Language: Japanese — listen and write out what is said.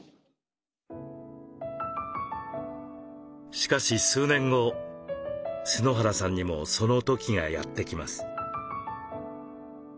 しかし数年後春原さんにもその時がやって来ます。